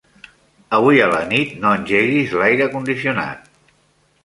Avui a la nit no engeguis l'aire condicionat.